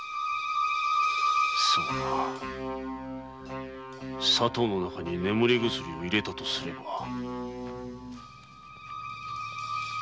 そうか砂糖の中に眠り薬を入れたとすれば。